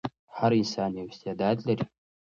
هر انسان یو استعداد لري.